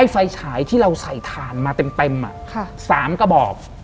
ไฟฉายที่เราใส่ถ่านมาเต็ม๓กระบอก